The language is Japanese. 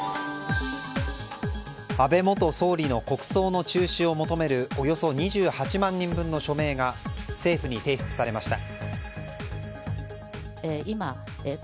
安倍元総理の国葬の中止を求めるおよそ２８万人分の署名が政府に提出されました。